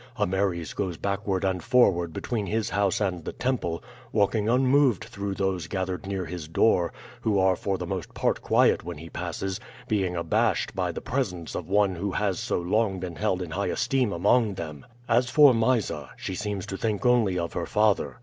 Ameres goes backward and forward between his house and the temple, walking unmoved through those gathered near his door, who are for the most part quiet when he passes, being abashed by the presence of one who has so long been held in high esteem among them. As for Mysa, she seems to think only of her father.